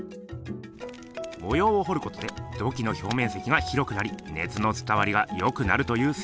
模様を彫ることで土器の表面積が広くなり熱の伝わりがよくなるという説。